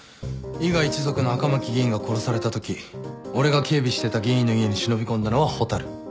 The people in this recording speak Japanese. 伊賀一族の赤巻議員が殺されたとき俺が警備してた議員の家に忍び込んだのは蛍。